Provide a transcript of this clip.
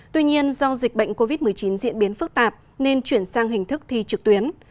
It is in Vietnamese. tuy nhiên do dịch bệnh covid một mươi chín diễn biến phức tạp nên chuyển sang hình thức thi trực tuyến